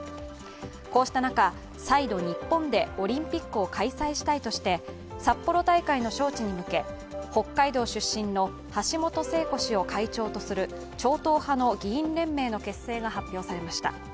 こうした中、再度日本でオリンピックを開催したいとして札幌大会の招致に向け、北海道出身の橋本聖子氏を会長とする超党派の議員連盟の結成が発表されました。